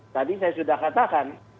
tadi saya sudah katakan